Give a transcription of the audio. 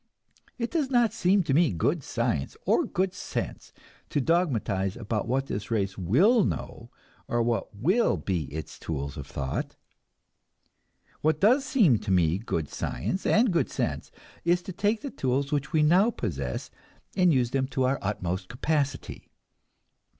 It does not seem to me good science or good sense to dogmatize about what this race will know, or what will be its tools of thought. What does seem to me good science and good sense is to take the tools which we now possess and use them to their utmost capacity.